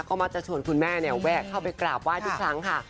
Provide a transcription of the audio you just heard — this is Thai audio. ก็มักจะชวนคุณแม่เนี่ยแวะเข้าไปกราบไหว้ทุกครั้งค่ะ